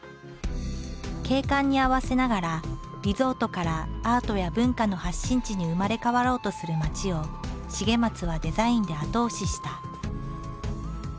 景観に合わせながらリゾートからアートや文化の発信地に生まれ変わろうとする街を重松はデザインで後押しした。